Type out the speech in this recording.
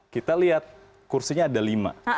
kita lihat kursinya ada lima